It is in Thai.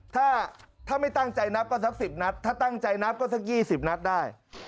ถ้าไม่ตั้งใจนับก็สัก๑๐นัดถ้าตั้งใจนับก็สัก๒๐นัดได้